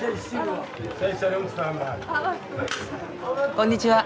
こんにちは。